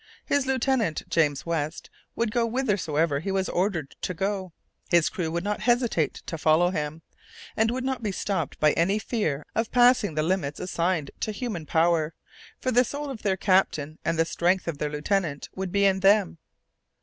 His lieutenant, James West, would go whithersoever he was ordered to go; his crew would not hesitate to follow him, and would not be stopped by any fear of passing the limits assigned to human power, for the soul of their captain and the strength of their lieutenant would be in them.